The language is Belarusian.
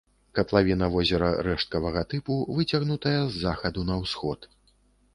Катлавіна возера рэшткавага тыпу, выцягнутая з захаду на ўсход.